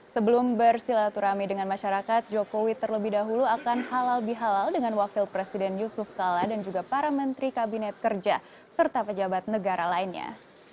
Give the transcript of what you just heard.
sebelum bersilaturahmi dengan masyarakat jokowi terlebih dahulu akan halal bihalal dengan wakil presiden yusuf kala dan juga para menteri kabinet kerja serta pejabat negara lainnya